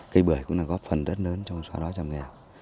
cây bưởi cũng là góp phần rất lớn trong xóa đói giảm nghèo